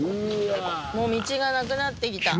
もう道がなくなってきた。